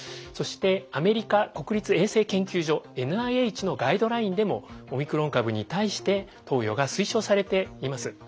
そしてアメリカ国立衛生研究所ＮＩＨのガイドラインでもオミクロン株に対して投与が推奨されています。